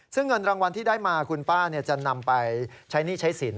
ซึ่งเงินรางวัลที่ได้มาคุณป้าจะนำไปใช้หนี้ใช้สิน